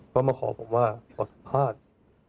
ก็มาขอผมว่าขอสัมภาษณ์